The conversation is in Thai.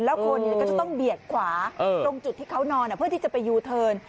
แล้วคนก็จะต้องเบียดขวาตรงจุดที่เขานอนเพื่อที่จะไปยูเทิร์น